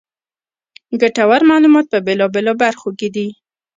ګټورمعلومات په بېلا بېلو برخو کې دي.